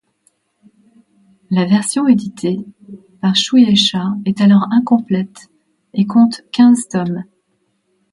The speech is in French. La version éditée par Shūeisha est alors incomplète et compte quinze tomes.